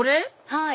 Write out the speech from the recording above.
はい。